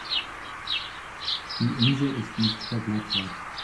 Die Insel ist nicht vergletschert.